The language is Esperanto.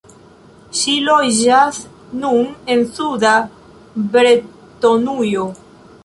Ŝi loĝas nun en suda Bretonujo.